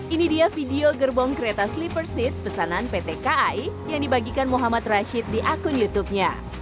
ini dia video gerbong kereta sleeper seat pesanan pt kai yang dibagikan muhammad rashid di akun youtubenya